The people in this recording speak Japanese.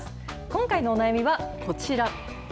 今回のお悩みはこちら。